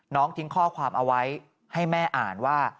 ทิ้งข้อความเอาไว้ให้แม่อ่านว่า